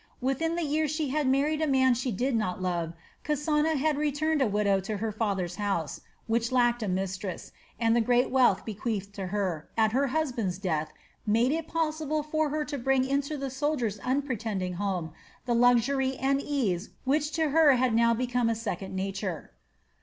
Within the year she had married a man she did not love Kasana had returned a widow to her father's house, which lacked a mistress, and the great wealth bequeathed to her, at her husband's death, made it possible for her to bring into the soldier's unpretending home the luxury and ease which to her had now become a second nature.